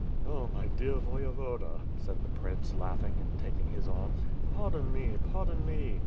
"Oh, my dear Voyevoda," said the prince, laughing and taking his arm, "pardon me, pardon me!